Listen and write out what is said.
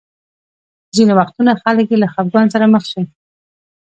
ځینې وختونه خلک چې له خفګان سره مخ شي.